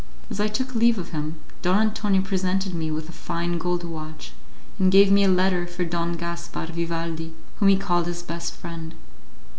As I took leave of him, Don Antonio presented me with a fine gold watch and gave me a letter for Don Gaspar Vidaldi, whom he called his best friend.